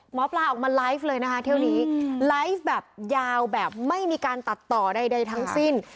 หมอปลาออกมาไลฟ์เลยนะคะเที่ยวนี้ไลฟ์แบบยาวแบบไม่มีการตัดต่อใดทั้งสิ้น